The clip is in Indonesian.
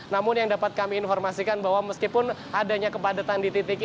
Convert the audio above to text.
namun yang dapat kami informasikan bahwa meskipun adanya kepadatan di titik ini